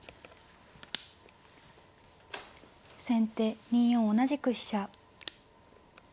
先手２四同じく飛車。